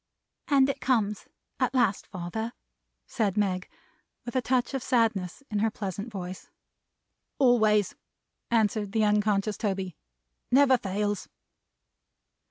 "And it comes at last, father," said Meg, with a touch of sadness in her pleasant voice. "Always," answered the unconscious Toby. "Never fails."